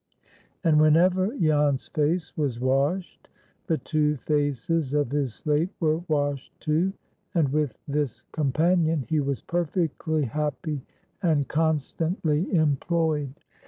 And whenever Jan's face was washed, the two faces of his slate were washed too; and with this companion he was perfectly happy and constantly employed.